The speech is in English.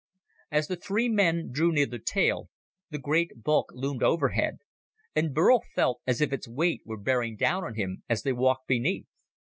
As the three men drew near the tail, the great bulk loomed overhead, and Burl felt as if its weight were bearing down on him as they walked beneath.